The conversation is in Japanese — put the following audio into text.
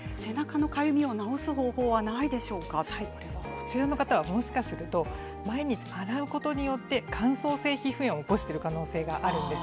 こちらの方はもしかすると毎日洗うことによって乾燥性皮膚炎を起こしている可能性があるんです。